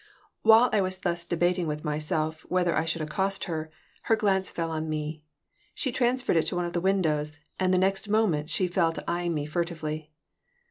While I was thus debating with myself whether I should accost her, her glance fell on me. She transferred it to one of the windows, and the next moment she fell to eying me furtively.